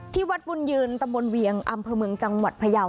ที่วัดบุ้นเยืนตะบุลเวียงอำเผออยมึงจังวัดพยาว